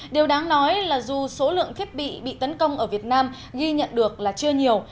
điều đáng nói là dù số lượng thiết bị bị tấn công ở việt nam ghi nhận được là chưa nhiều